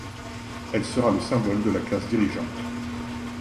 Elle sera le symbole de la classe dirigeante.